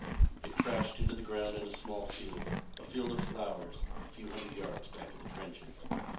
It crashed into the ground in a small field a field of flowers a few hundred yards back of the trenches.